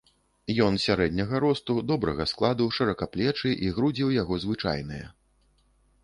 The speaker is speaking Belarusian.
Ён сярэдняга росту, добрага складу, шыракаплечы, і грудзі ў яго звычайныя.